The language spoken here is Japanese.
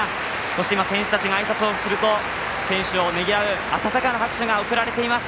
そして、選手たちがあいさつをすると選手たちをねぎらう温かな拍手が送られています。